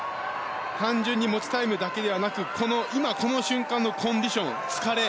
単純に持ちタイムだけではなく今この瞬間のコンディション、疲れ